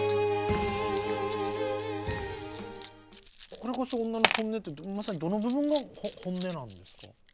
「これこそ女の本音！」ってまさにどの部分が本音なんですか？